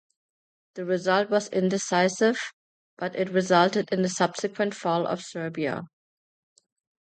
The result was indecisive, but it resulted in the subsequent fall of Serbia.